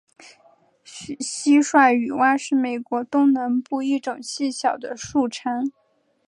蟋蟀雨蛙是美国东南部一种细小的树蟾。